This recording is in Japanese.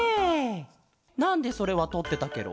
なんでそれはとってたケロ？